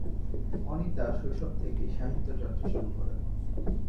অনিতা শৈশব থেকেই সাহিত্যচর্চা শুরু করেন।